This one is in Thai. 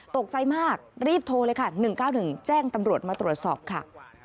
ตกใจมากรีบโทรเลยค่ะ๑๙๑แจ้งตำรวจมาตรวจสอบค่ะ